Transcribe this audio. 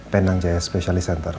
penang jaya specialist center